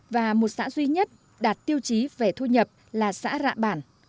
và một xã duy nhất đạt tiêu chí về thu nhập là xã rạ bản